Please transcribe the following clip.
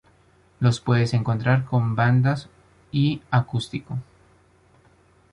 Los puedes encontrar con banda y en acústico.